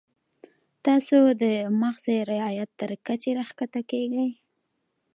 تاسو د محض رعیت تر کچې راښکته کیږئ.